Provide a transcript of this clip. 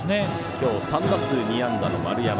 今日３打数２安打の丸山。